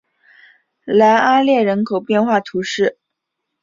莱阿列人口变化图示